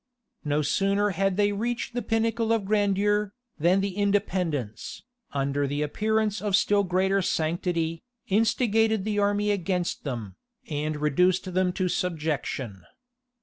No sooner had they reached the pinnacle of grandeur, than the Independents, under the appearance of still greater sanctity, instigated the army against them, and reduced them to subjection.